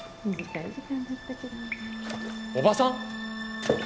おばさん！？